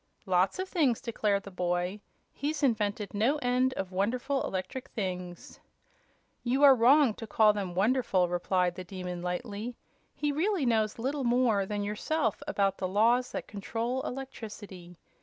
"Lots of things," declared the boy. "He's invented no end of wonderful electrical things." "You are wrong to call them wonderful," replied the Demon, lightly. "He really knows little more than yourself about the laws that control electricity.